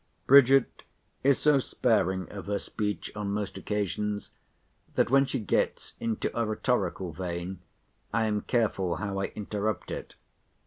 Bridget is so sparing of her speech on most occasions, that when she gets into a rhetorical vein, I am careful how I interrupt it.